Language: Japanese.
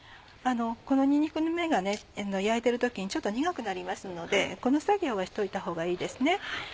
このにんにくの芽が焼いてる時にちょっと苦くなりますのでこの作業はしといたほうがいいですね。